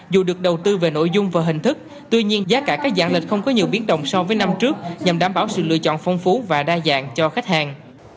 dù được đầu tư về nội dung và hình thức tuy nhiên giá cả các dạng lịch không có nhiều biến động so với năm trước nhằm đảm bảo sự lựa chọn phong phú và đa dạng cho khách hàng